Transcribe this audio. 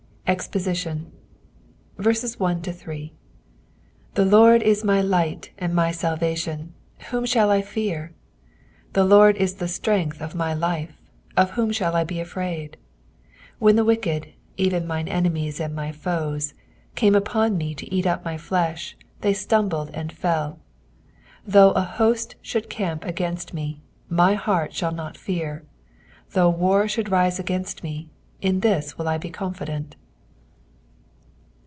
EXPOSITION. THE Lord is my light and my salvation ; whom shall I fear ? the Lord is the strength of my life ; of whom shall I be afraid ? 2 When the wicked, even mine enemies and my foes, came upon me to eat up my flesh, they stumbled and fell, 3 Though an host should encamp against me, my heart shall not fear : though war sjiould rise against me, in thi.s ivt// 1 de confident.